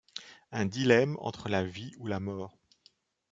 Un dilemme entre la vie ou la mort.